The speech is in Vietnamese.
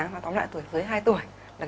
vâng tôi nghĩ là